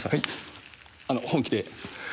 本気で。